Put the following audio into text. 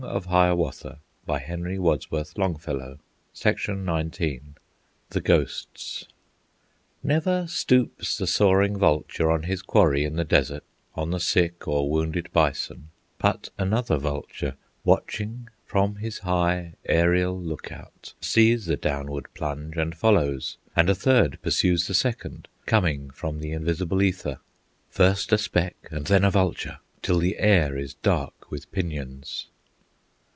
cried they; "that is Kwasind! He is gathering in his fire wood!" XIX The Ghosts Never stoops the soaring vulture On his quarry in the desert, On the sick or wounded bison, But another vulture, watching From his high aerial look out, Sees the downward plunge, and follows; And a third pursues the second, Coming from the invisible ether, First a speck, and then a vulture, Till the air is dark with pinions.